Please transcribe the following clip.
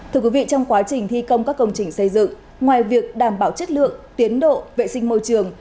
thưa quý vị trong quá trình thi công các công trình xây dựng ngoài việc đảm bảo chất lượng tiến độ vệ sinh môi trường